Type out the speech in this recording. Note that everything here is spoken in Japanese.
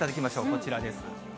こちらです。